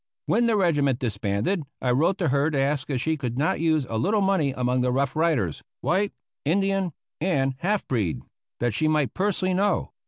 When the regiment disbanded, I wrote to her to ask if she could not use a little money among the Rough Riders, white, Indian, and half breed, that she might personally know.